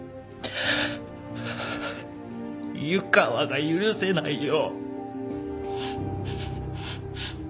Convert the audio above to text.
湯川が許せないよ